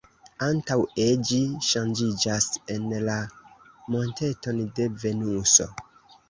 Antaŭe ĝi ŝanĝiĝas en la monteton de Venuso.